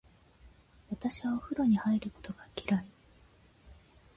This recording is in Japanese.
私はお風呂に入ることが嫌い。